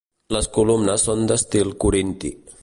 Les columnes són d'estil corinti.